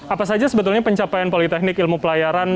apa saja sebetulnya pencapaian politeknik ilmu pelayaran